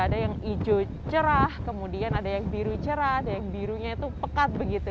ada yang hijau cerah kemudian ada yang biru cerah ada yang birunya itu pekat begitu